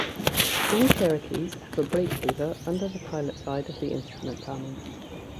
All Cherokees have a brake lever under the pilot side of the instrument panel.